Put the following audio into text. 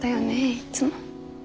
いっつも。